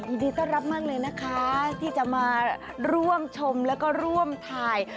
ยินดีต้อนรับมากเลยนะคะที่จะมาร่วมชมแล้วก็ร่วมถ่าย